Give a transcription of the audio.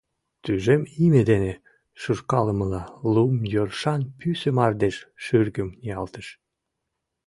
Тӱжем име дене шуркалымыла, лум йӧршан пӱсӧ мардеж шӱргым ниялтыш.